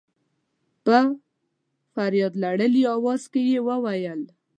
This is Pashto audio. په فرياد لړلي اواز کې يې وويل.